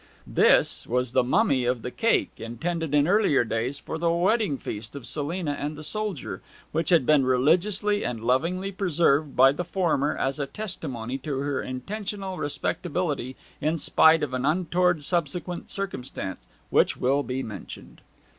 This was the mummy of the cake intended in earlier days for the wedding feast of Selina and the soldier, which had been religiously and lovingly preserved by the former as a testimony to her intentional respectability in spite of an untoward subsequent circumstance, which will be mentioned.